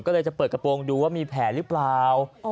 ก็เลยจะเปิดกระโปรงดูว่ามีแผลหรือเปล่า